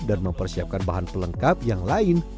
dan mempersiapkan bahan pelengkap yang lain